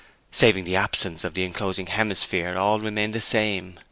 Saving the absence of the enclosing hemisphere all remained the same.